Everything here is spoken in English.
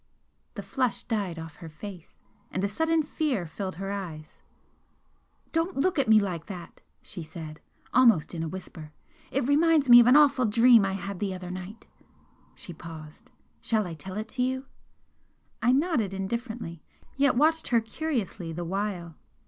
The flush died off her face, and a sudden fear filled her eyes. "Don't look at me like that!" she said, almost in a whisper "It reminds me of an awful dream I had the other night!" She paused. "Shall I tell it to you?" I nodded indifferently, yet watched her curiously the while.